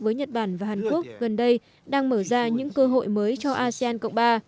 với nhật bản và hàn quốc gần đây đang mở ra những cơ hội mới cho asean cộng ba